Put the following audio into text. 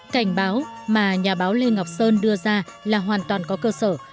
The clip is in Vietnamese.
cảnh báo mà nhà báo lê ngọc sơn đưa ra là hoàn toàn có cơ sở